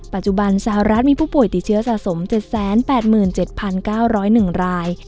ปัจจุบันสหรัฐมีผู้ป่วยติดเชื้อสะสม๗๘๗๙๐๑ราย